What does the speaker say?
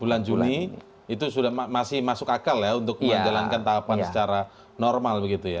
bulan juni itu sudah masih masuk akal ya untuk menjalankan tahapan secara normal begitu ya